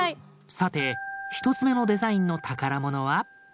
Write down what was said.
さて１つ目のデザインの宝物は。